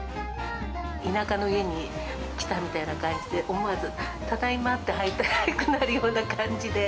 田舎の家に来たみたいな感じで、思わずただいまって入りたくなるような感じで。